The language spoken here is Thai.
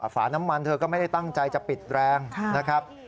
ฝาน้ำมันเธอก็ไม่ได้ตั้งใจจะปิดแรงนะครับ